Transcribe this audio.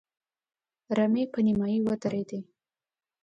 رمې په نيمايي ودرېدې.